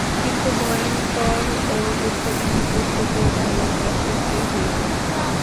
কিন্তু ভয়ঙ্কর ও দুঃখজনক বস্তুকেও ভালবাসিতে হইবে।